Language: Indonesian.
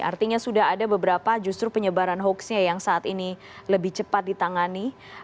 artinya sudah ada beberapa justru penyebaran hoaxnya yang saat ini lebih cepat ditangani